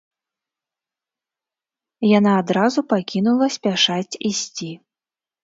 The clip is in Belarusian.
Яна адразу пакінула спяшаць ісці.